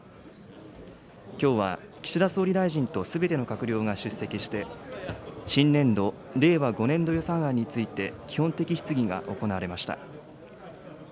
きょうは岸田総理大臣とすべての閣僚が出席して、新年度・令和５年度予算案について、基本的質疑が行われました。